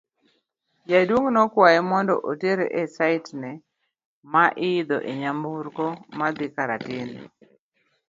Jaduong' nokwaye mondo otere e sitesen ma iidho e nyamburko madhi Karatina.